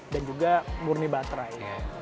dan juga murni baterai